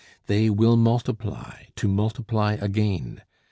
They will multiply, to multiply again.